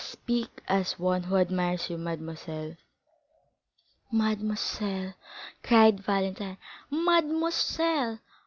"I speak as one who admires you, mademoiselle." "Mademoiselle," cried Valentine; "mademoiselle!